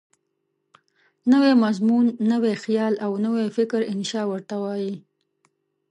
نوی مضمون، نوی خیال او نوی فکر انشأ ورته وايي.